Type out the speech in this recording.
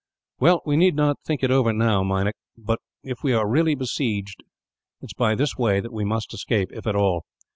"Well, we need not think it over now, Meinik; but if we are really besieged, it is by this way that we must escape, if at all.